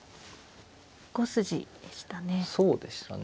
５筋でしたね。